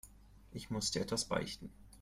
Ich muss dir etwas beichten.